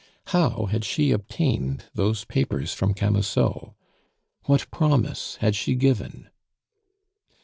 How had she obtained those papers from Camusot? What promise had she given?